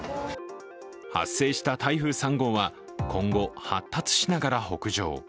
発生した台風３号は今後、発達しながら北上。